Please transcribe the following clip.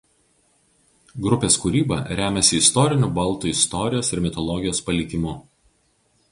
Grupės kūryba remiasi istoriniu baltų istorijos ir mitologijos palikimu.